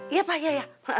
iya pak ya